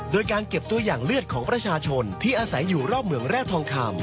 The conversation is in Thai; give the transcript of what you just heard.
โดยการเก็บตัวอย่างเลือดของประชาชนที่อาศัยอยู่รอบเมืองแร่ทองคำ